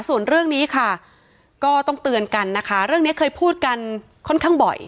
ส่วนเรื่องนี้ค่ะก็ต้องเตือนกันนะคะเรื่องนี้เคยพูดกันค่อนข้างบ่อย